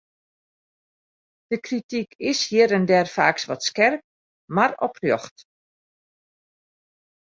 De krityk is hjir en dêr faaks wat skerp, mar oprjocht.